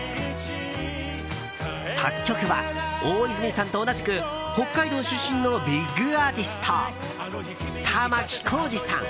作曲は、大泉さんと同じく北海道出身のビッグアーティスト玉置浩二さん。